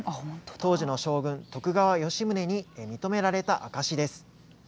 当時の将軍、徳川吉宗に認められた証しです。